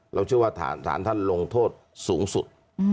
เราเชื่อว่าสารท่านลงโทษสูงสุด